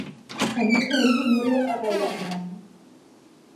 ฉันไม่เคยได้ยินเรื่องอะไรแบบนั้น